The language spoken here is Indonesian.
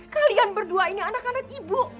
kalian berdua ini anak anak ibu